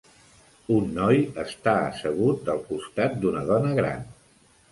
Un noi està assegut al costat d'una dona gran.